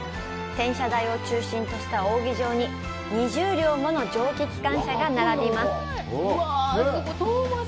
転車台を中心とした扇形に２０両もの蒸気機関車が並びます。